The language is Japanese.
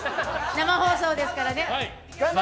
生放送ですからね。